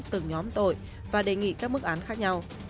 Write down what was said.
từng nhóm tội và đề nghị các mức án khác nhau